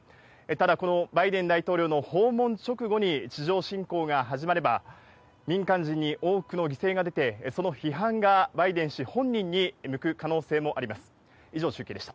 ただ、このバイデン大統領の訪問直後に地上侵攻が始まれば、民間人に多くの犠牲が出て、その批判がバイデン氏本人に向く可能性もあります。